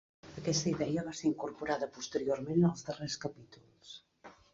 Aquesta idea va ser incorporada posteriorment als darrers capítols.